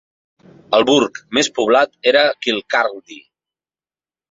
El burg més poblat era Kirkcaldy.